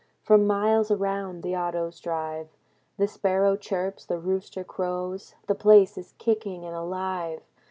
From miles around, the autos drive. The sparrow chirps. The rooster crows. The place is kicking and alive.